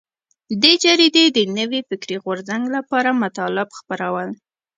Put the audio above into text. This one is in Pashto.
دې جریدې د نوي فکري غورځنګ لپاره مطالب خپرول.